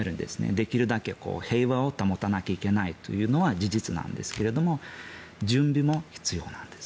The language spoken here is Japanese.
できるだけ平和を保たなきゃいけないというのは事実なんですが準備も必要なんです。